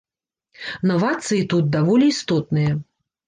Навацыі тут даволі істотныя.